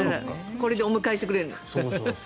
これでお迎えしてくれるのか。